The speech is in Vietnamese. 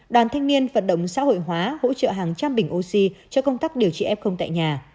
đoàn thanh niên vận động xã hội hóa hỗ trợ hàng trăm bình oxy cho công tác điều trị f tại nhà